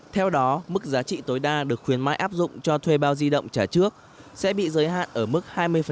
theo đó mức giá trị tối đa được khuyến mại áp dụng cho thuê bao di động trả trước sẽ bị giới hạn ở mức hai mươi